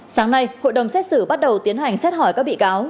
sáng nay hội đồng xét xử bắt đầu tiến hành xét hỏi các bị cáo